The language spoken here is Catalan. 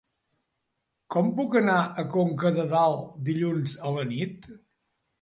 Com puc anar a Conca de Dalt dilluns a la nit?